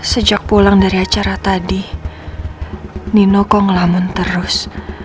sejak pulang dari acara tadi nino kok ngelamun terus